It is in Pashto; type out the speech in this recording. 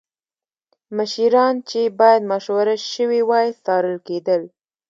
مشیران چې باید مشوره شوې وای څارل کېدل